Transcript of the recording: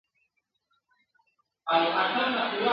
تر ماپښینه وو آس څوځایه ویشتلی ..